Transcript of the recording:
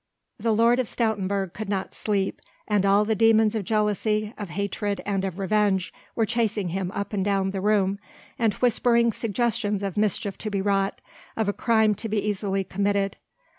The Lord of Stoutenburg could not sleep and all the demons of jealousy, of hatred and of revenge were chasing him up and down the room and whispering suggestions of mischief to be wrought, of a crime to be easily committed.